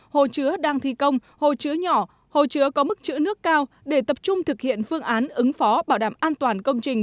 hồ chứa đang thi công hồ chứa nhỏ hồ chứa có mức chữ nước cao để tập trung thực hiện phương án ứng phó bảo đảm an toàn công trình